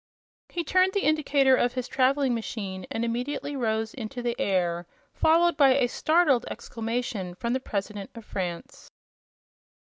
He turned the indicator of his traveling machine and immediately rose into the air, followed by a startled exclamation from the President of France.